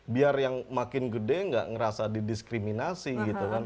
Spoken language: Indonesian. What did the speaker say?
biar yang makin gede nggak ngerasa didiskriminasi gitu kan